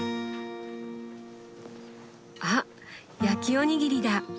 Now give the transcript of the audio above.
あ焼きおにぎりだ！